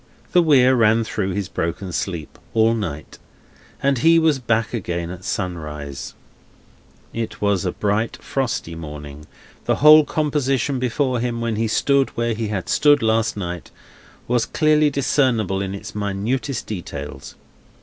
The Weir ran through his broken sleep, all night, and he was back again at sunrise. It was a bright frosty morning. The whole composition before him, when he stood where he had stood last night, was clearly discernible in its minutest details.